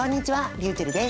りゅうちぇるです。